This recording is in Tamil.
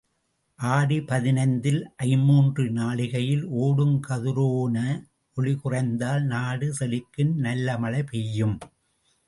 ஆடி பதினைந்தில் ஐம்மூன்று நாழிகையில் ஓடும் கதிரோன ஒளிகுறைந்தால் நாடு செழிக்கும் நல்ல மழை பெய்யும்.